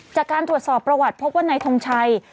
จากการตรวจสอบประวัติพบว่านายทงชัย